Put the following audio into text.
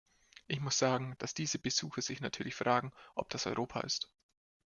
Ich muss sagen, dass diese Besucher sich natürlich fragen, ob das Europa ist.